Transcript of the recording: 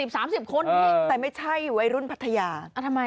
สามสิบคนเออเออแต่ไม่ใช่ไวยรุ่นพัฒนาอ่าทำไม